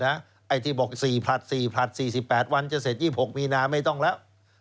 ไอ้ที่บอก๔ผลัด๔ผลัด๔๘วันจะเสร็จ๒๖มีนาไม่ต้องแล้ว